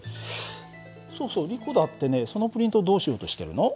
そうそうリコだってねそのプリントどうしようとしてるの？